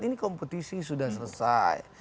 ini kompetisi sudah selesai